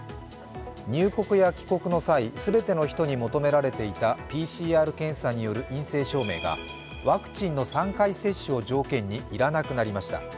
入国や帰国の際、全ての人に求められていたＰＣＲ検査による陰性証明がワクチンの３回接種を条件にいらなくなりました。